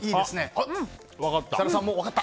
分かった。